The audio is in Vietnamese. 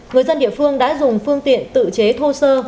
người dân địa phương đã dùng phương tiện tự chế thô sơ